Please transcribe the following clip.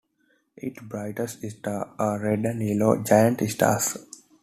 Its brightest stars are red and yellow giant stars.